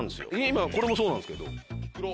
今これもそうなんですけど。